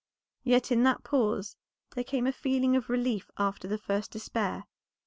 Yet in that pause there came a feeling of relief after the first despair.